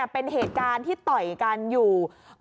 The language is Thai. เป็นเหตุการณ์ที่ต่อยกันอยู่